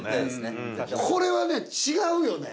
これはね違うよね。